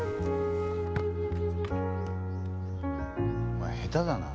お前下手だな。